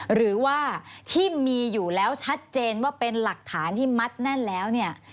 หรือว่าที่มีอยู่แล้วชัดเจนว่าเป็นหลักฐานที่มัดแน่นแล้วเนี่ย